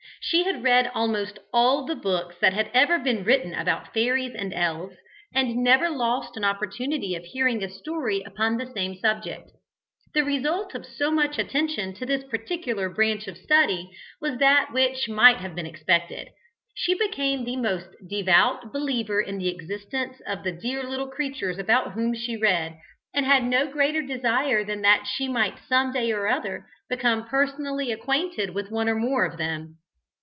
She had read almost all the books that had ever been written about fairies and elves, and never lost an opportunity of hearing a story upon the same subject. The result of so much attention to this particular branch of study was that which might have been expected. She became the most devout believer in the existence of the dear little creatures about whom she read, and had no greater desire than that she might some day or other become personally acquainted with one or more of them.